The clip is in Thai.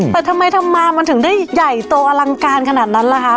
แต่ทำไมทำมามันถึงได้ใหญ่โตอลังการขนาดนั้นล่ะคะ